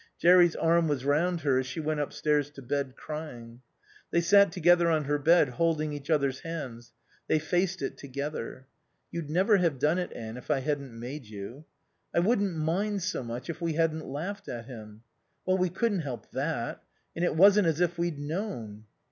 Jerry's arm was round her as she went upstairs to bed, crying. They sat together on her bed, holding each other's hands; they faced it together. "You'd never have done it, Anne, if I hadn't made you." "I wouldn't mind so much if we hadn't laughed at him." "Well, we couldn't help that. And it wasn't as if we'd known."